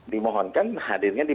dimohonkan hadirnya di